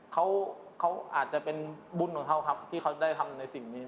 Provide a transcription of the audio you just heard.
เขาเขาอาจจะเป็นบุญของเขาครับที่เขาได้ทำในสิ่งนี้